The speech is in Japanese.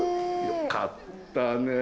よかったね